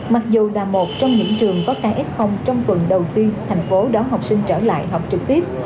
mặc dù là một trong những trường có khai s trong quần đầu tiên thành phố đón học sinh trở lại học trực tiếp